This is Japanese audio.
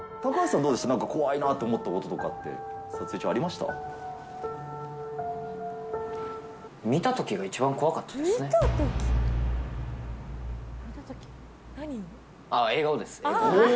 怖いなと思ったこととかって見たときが一番怖かったですね。